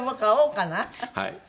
はい。